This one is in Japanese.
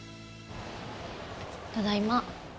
ただいま。